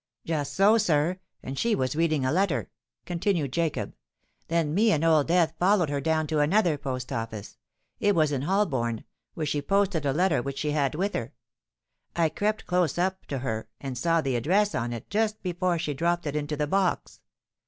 "Just so, sir. And she was reading a letter," continued Jacob. "Then me and Old Death followed her down to another post office—it was in Holborn—where she posted a letter which she had with her. I crept close up to her and saw the address on it just before she dropped it into the box."